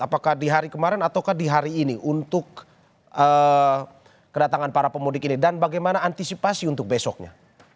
apakah di hari kemarin ataukah di hari ini untuk kedatangan para pemudik ini dan bagaimana antisipasi untuk besoknya